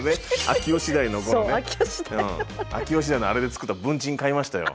秋吉台のあれで作った文鎮買いましたよ。